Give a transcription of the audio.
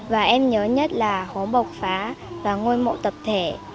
và em nhớ nhất là hố bộc phá và ngôi mộ tập thể